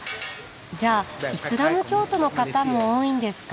じゃあイスラム教徒の方も多いんですか？